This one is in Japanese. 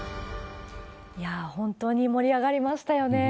いやー、本当に盛り上がりましたよね。